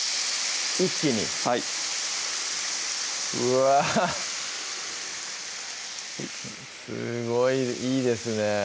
一気にはいうわすごいいいですね